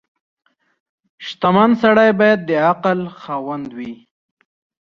• شتمن سړی باید د عقل خاوند وي.